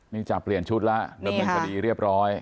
นี่จับเปลี่ยนชุดล่ะนี่ค่ะเดี๋ยวมันจะดีเรียบร้อย